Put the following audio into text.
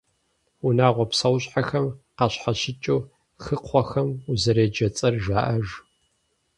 Унагъуэ псэущхьэхэм къащхьэщыкӏыу, хыкхъуэхэм узэреджэ цӏэр жаӏэж.